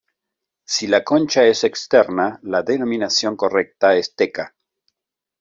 Si la concha es externa, la denominación correcta es teca.